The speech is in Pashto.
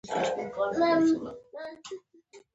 نوموړی ډېر لوی فیلسوف و په پښتو ژبه.